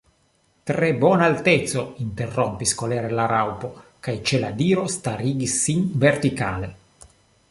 "Tre bona alteco," interrompis kolere la Raŭpo, kaj ĉe la diro starigis sin vertikale.